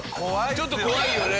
ちょっと怖いよね。